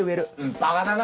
バカだな！